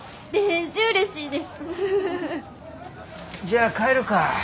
じゃあ帰るか。